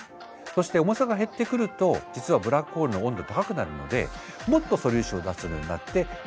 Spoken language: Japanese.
そして重さが減ってくると実はブラックホールの温度高くなるのでもっと素粒子を出せるようになってどんどん減っていく。